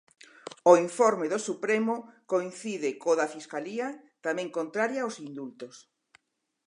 O informe do Supremo coincide co da fiscalía, tamén contraria aos indultos.